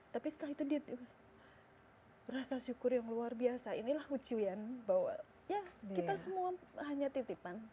tapi setelah itu dia merasa syukur yang luar biasa inilah ujian bahwa kita semua hanya titipan